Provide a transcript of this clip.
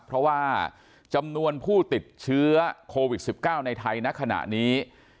เพราะว่าจำนวนผู้ติดเชื้อโควิด๑๙ในไทยณขณะนี้